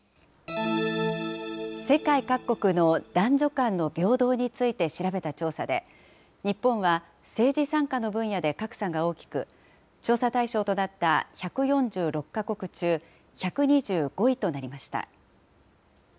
世界各国の男女間の平等について調べた調査で、日本は政治参加の分野で格差が大きく、調査対象となった１４６か国中１２５位となりました。